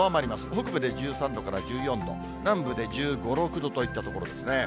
北部で１３度から１４度、南部で１５、６度といったところですね。